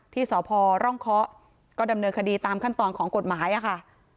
ที่สพร่องเคาะก็ดำเนินคดีตามขั้นตอนของกฎหมายค่ะ